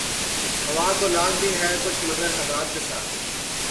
ہوا کو لاگ بھی ہے کچھ مگر حباب کے ساتھ